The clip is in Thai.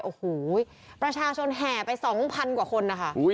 โอ้โหประชาชนแห่ไป๒๐๐๐กว่าคนนะคะ